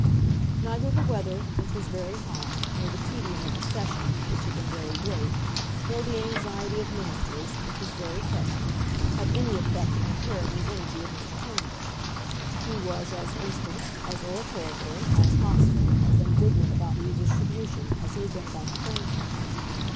Neither the weather, which was very hot, nor the tedium of the session, which had been very great, nor the anxiety of Ministers, which was very pressing, had any effect in impairing the energy of Mr. Turnbull. He was as instant, as oratorical, as hostile, as indignant about redistribution as he had been about the franchise.